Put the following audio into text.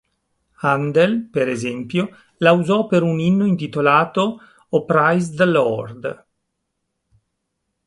Handel, per esempio, la usò per un inno intitolato "O Praise the Lord".